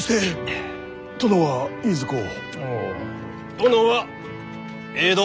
殿は江戸。